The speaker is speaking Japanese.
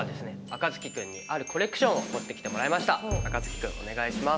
君お願いします。